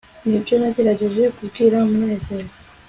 nibyo nagerageje kubwira munezero